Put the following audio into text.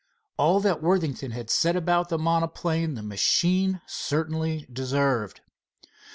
All that Worthington had said about the monoplane the machine certainly deserved.